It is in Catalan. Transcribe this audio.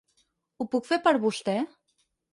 Ho puc fer per vostè?